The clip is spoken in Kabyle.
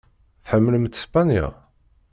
Tḥemmlemt Spanya?